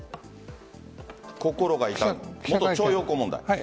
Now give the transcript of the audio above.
心が痛む徴用工問題。